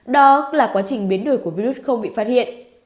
đó là quá trình biến đổi của virus không bị phát hiện